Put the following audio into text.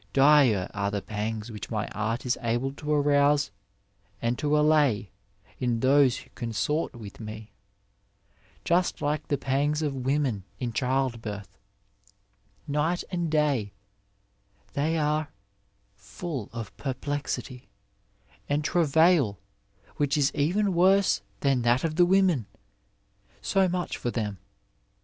Dire are the pangs which my art is able to arouse and to allay in those who consort with me, just like the pangs of women in childbirth ; night and day they are full of perplexity and travail which is even worse than that of the women. So much for them.